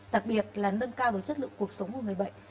đặc biệt là nâng cao được chất lượng cuộc sống của người bệnh